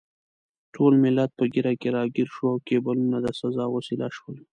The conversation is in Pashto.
ټول ملت په ږیره کې راګیر شو او کیبلونه د سزا وسیله شول.